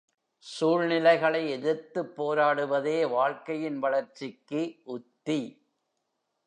சூழ்நிலைகளை எதிர்த்துப் போராடுவதே வாழ்க்கையின் வளர்ச்சிக்கு உத்தி.